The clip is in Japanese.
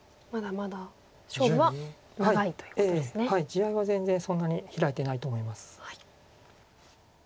地合いは全然そんなに開いてないと思います。